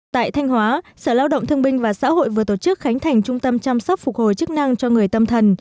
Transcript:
tại thanh hóa sở lao động thương binh và xã hội vừa tổ chức khánh thành trung tâm chăm sóc phục hồi chức năng cho người tâm thần